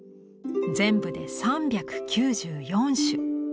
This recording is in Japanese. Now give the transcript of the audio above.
全部で３９４種。